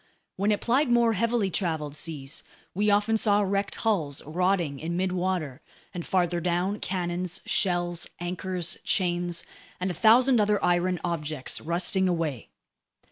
When it plied more heavily traveled seas, we often saw wrecked hulls rotting in midwater, and farther down, cannons, shells, anchors, chains, and a thousand other iron objects rusting away.